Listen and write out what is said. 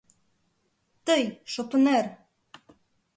— Тый, шопынер!